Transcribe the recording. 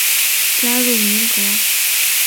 加入民革。